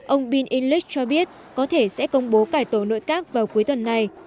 ông bill inglis cho biết có thể sẽ công bố cải tổ nội các vào cuối tuần này